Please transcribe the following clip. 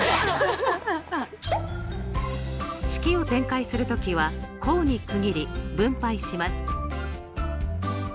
式を展開する時は項に区切り分配します。